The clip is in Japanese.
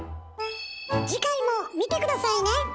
次回も見て下さいね！